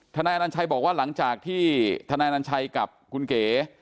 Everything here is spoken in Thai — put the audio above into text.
นายอนัญชัยบอกว่าหลังจากที่ทนายนัญชัยกับคุณเก๋